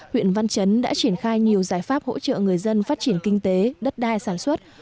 huyện văn chấn đã triển khai nhiều giải pháp hỗ trợ người dân phát triển kinh tế đất đai sản xuất